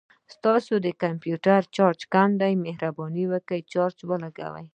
ستاسو د کمپوټر چارج کم دی، مهرباني وکړه چارج ولګوه